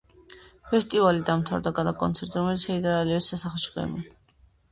ფესტივალი დამთავრდა გალა კონცერტით, რომელიც ჰეიდარ ალიევის სასახლეში გაიმართა.